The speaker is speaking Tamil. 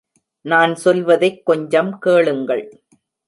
நான் சொல்வதைக் கொஞ்சம் கேளுங்கள்.